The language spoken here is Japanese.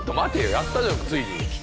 やったじゃんついに。